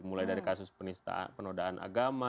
mulai dari kasus penodaan agama